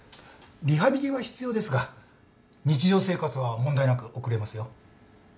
リハビリは必要ですが日常生活は問題なく送れますよ。